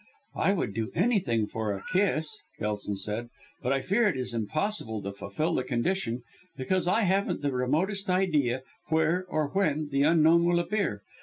"I would do anything for a kiss," Kelson said, "but I fear it is impossible to fulfil the condition, because I haven't the remotest idea where or when the Unknown will appear.